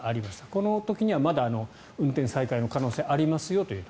この時にはまだ運転再開の可能性がありますよと。